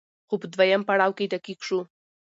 خو په دويم پړاو کې دقيق شو